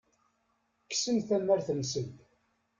Kksen tamart-nsen.